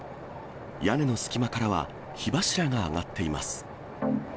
屋根の隙間からは火柱が上がっています。